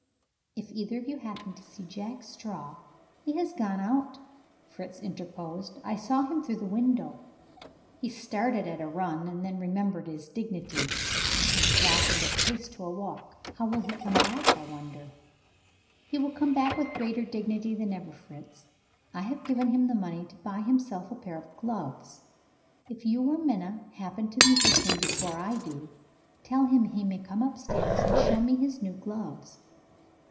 "If either of you happen to see Jack Straw " "He has gone out," Fritz interposed. "I saw him through the window. He started at a run and then remembered his dignity, and slackened his pace to a walk. How will he come back, I wonder?" "He will come back with greater dignity than ever, Fritz. I have given him the money to buy himself a pair of gloves. If you or Minna happen to meet with him before I do, tell him he may come upstairs and show me his new gloves.